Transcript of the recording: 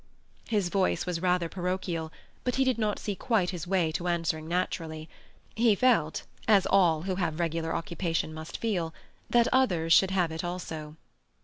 His voice was rather parochial, but he did not quite see his way to answering naturally. He felt, as all who have regular occupation must feel, that others should have it also.